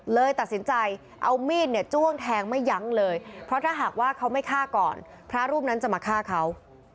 เลยตัดสินใจเอามีดเนี่ยจ้วงแทงไม่ยั้งเลยเพราะถ้าหากว่าเขาไม่ฆ่าก่อนพระรูปนั้นจะมาฆ่าเขา